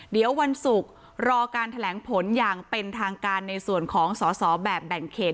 เดี๋ยววันศุกร์รอการแถลงผลอย่างเป็นทางการในส่วนของสอสอแบบแบ่งเขต